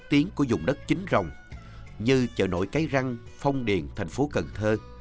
đứt tiến của vùng đất chính rồng như chợ nổi cáy răng phong điền thành phố cần thơ